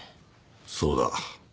そうだ。